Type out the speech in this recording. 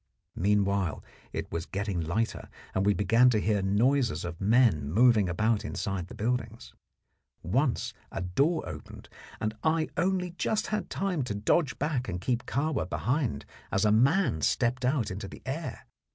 Meanwhile it was getting lighter, and we began to hear noises of men moving about inside the buildings. Once a door opened, and I only just had time to dodge back and keep Kahwa behind as a man stepped out into the air.